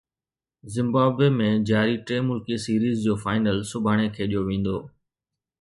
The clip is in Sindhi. زمبابوي ۾ جاري ٽي ملڪي سيريز جو فائنل سڀاڻي کيڏيو ويندو